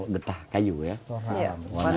detah kayu ya warna alam